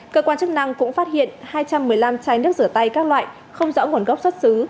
cơ quan chức năng cũng phát hiện hai trăm một mươi năm chai nước rửa tay các loại không rõ nguồn gốc xuất xứ